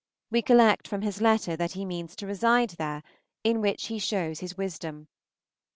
We collect from his letter that he means to reside there, in which he shows his wisdom.